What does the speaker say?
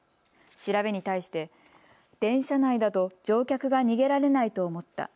調べに対して電車内だと乗客が逃げられないと思った。